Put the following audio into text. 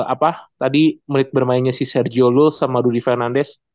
apa tadi menit bermainnya si sergio lulz sama rudy fernandez